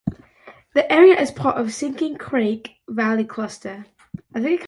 The area is part of the Sinking Creek Valley Cluster.